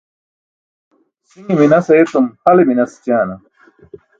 Si̇ṅe minas ayetum hale minas écaana?